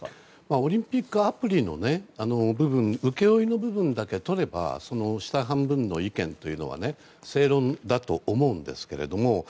オリンピックアプリの部分、請負の部分だけとれば下半分の意見というのは正論だと思うんですけども。